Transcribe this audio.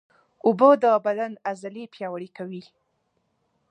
اوبه د بدن عضلې پیاوړې کوي